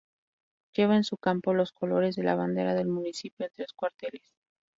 Lleva en su campo los colores de la bandera del municipio en tres cuarteles.